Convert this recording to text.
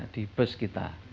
di bus kita